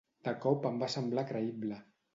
De cop em va semblar creïble.